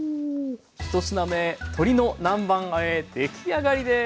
１品目鶏の南蛮あえ出来上がりです。